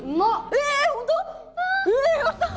え